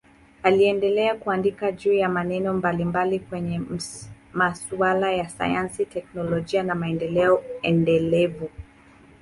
Aliendelea kuandika juu ya maeneo mbalimbali kwenye masuala ya sayansi, teknolojia na maendeleo endelevu.